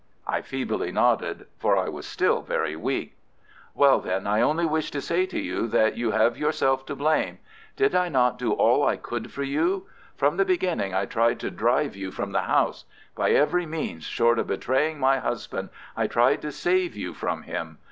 I feebly nodded—for I was still very weak. "Well, then, I only wished to say to you that you have yourself to blame. Did I not do all I could for you? From the beginning I tried to drive you from the house. By every means, short of betraying my husband, I tried to save you from him.